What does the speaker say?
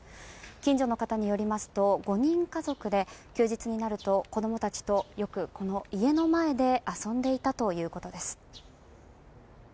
近所の方によりますと５人家族で休日になると子供たちとよくこの家の前で遊んでいたということです。